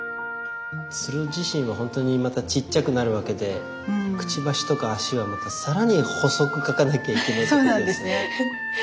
鶴自身はほんとにまたちっちゃくなるわけでくちばしとか足はまた更に細く描かなきゃいけないってことですね。